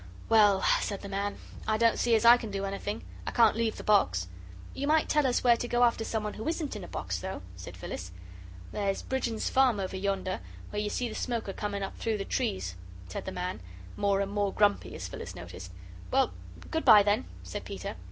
"Well," said the man, "I don't see as I can do anything. I can't leave the box." "You might tell us where to go after someone who isn't in a box, though," said Phyllis. "There's Brigden's farm over yonder where you see the smoke a coming up through the trees," said the man, more and more grumpy, as Phyllis noticed. "Well, good bye, then," said Peter.